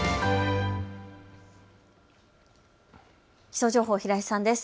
気象情報、平井さんです。